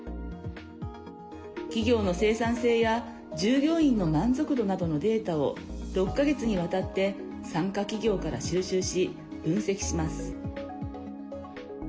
企業の生産性や従業員の満足度などのデータを６か月にわたって参加企業から収集し、分析します。